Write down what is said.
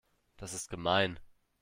Das ist gemein.